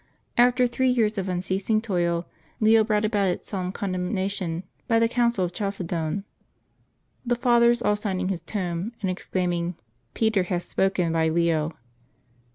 After three years of un ceasing toil, Leo brought about its solemn condemnation by the Council of Chalcedon, the Fathers all signing his tome, and exclaiming, '^ Peter hath spoken by Leo."